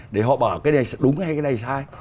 để họ bảo cái này đúng hay cái này sai